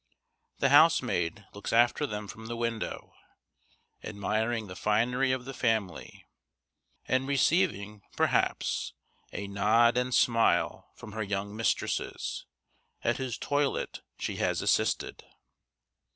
The housemaid looks after them from the window, admiring the finery of the family, and receiving, perhaps, a nod and smile from her young mistresses, at whose toilet she has assisted.